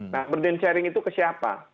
nah burden sharing itu ke siapa